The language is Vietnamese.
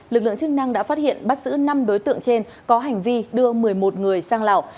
lực lượng chức năng đã phát hiện bắt giữ năm đối tượng trên có hành vi đưa một mươi một người sang lào